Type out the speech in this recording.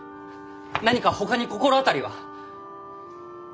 何かほかに心当たりは？